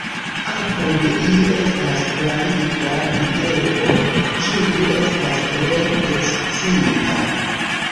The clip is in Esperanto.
Apud ili estas klariga video, kiu estas tre ekscita.